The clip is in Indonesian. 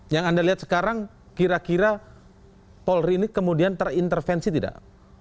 yang anda lihat sekarang kira kira polri ini kemudian terintervensi tidak